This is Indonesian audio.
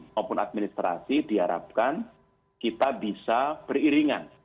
maupun administrasi diharapkan kita bisa beriringan